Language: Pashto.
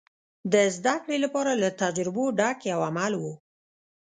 د زدهکړې لپاره له تجربو ډک یو عمل و.